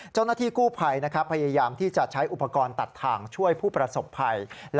เจ้านาฏิกู่ไพพยายามที่จัดใช้อุปกรณ์ตัดทางช่วยผู้ประศพไพร